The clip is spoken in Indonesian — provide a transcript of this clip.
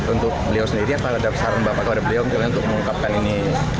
untuk beliau sendiri apa ada saran bapak kepada beliau misalnya untuk mengungkapkan ini